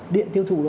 điện tiêu dụng